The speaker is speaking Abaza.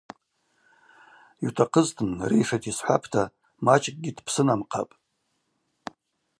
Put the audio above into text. Йутахъызтын, рейшата йсхӏвапӏта, мачӏкӏгьи дпсынамхъапӏ.